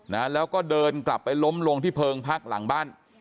นะแล้วก็เดินกลับไปล้มลงที่เพิงพักหลังบ้าน